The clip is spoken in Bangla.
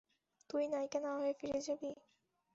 তুই নায়িকা না হয়ে ফিরে যাবি?